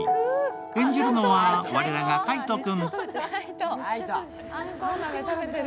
演じるのは我らが海音君。